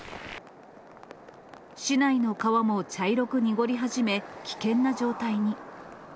市内の川も茶色く濁り始め、危険な状態に。